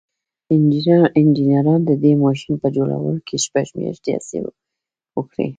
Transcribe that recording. انجنيرانو د دې ماشين په جوړولو کې شپږ مياشتې هڅې وکړې.